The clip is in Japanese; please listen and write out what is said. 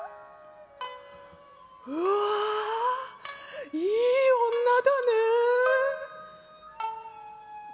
うわいい女だね」。